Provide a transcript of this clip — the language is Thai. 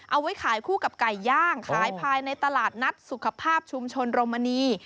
เอาไว้ขายคู่กับไก่ย่างขายภายในตลาดนัดสุขภาพชุมชนโรมณี